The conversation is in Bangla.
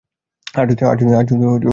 আর যদি লাকি কয়েন পাও?